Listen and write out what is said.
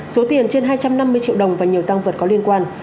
số tiền trên hai trăm năm mươi triệu đồng và nhiều tăng vật có liên quan